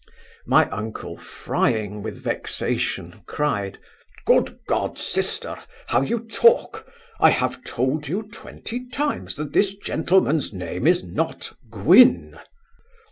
My uncle, frying with vexation, cried, 'Good God, sister, how you talk! I have told you twenty times, that this gentleman's name is not Gwynn.